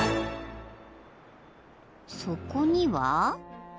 ［そこには］